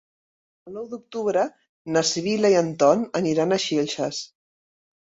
El nou d'octubre na Sibil·la i en Ton aniran a Xilxes.